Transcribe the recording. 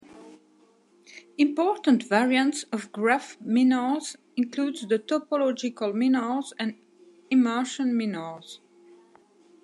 Important variants of graph minors include the topological minors and immersion minors.